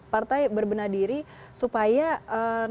partai berbenah diri supaya nantinya akan berjalan dengan lebih baik